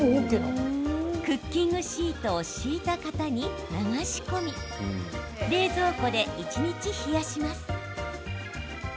クッキングシートを敷いた型に流し込み冷蔵庫で一日冷やします。